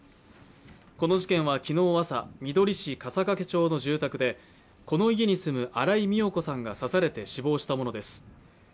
この事件は昨日朝みどり市笠懸町の住宅でこの家に住む新井美代子さんが刺されて死亡したものです。